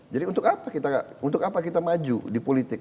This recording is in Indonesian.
jadi untuk apa kita maju di politik